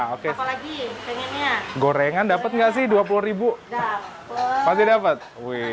oke apa lagi pengennya gorengan dapat nggak sih dua puluh ribu dapat pakai dapat wih